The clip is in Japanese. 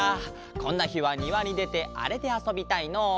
こんなひはにわにでてあれであそびたいのう。